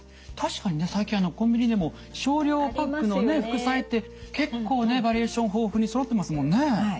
確かにね最近コンビニでも少量パックのね副菜って結構ねバリエーション豊富にそろってますもんね。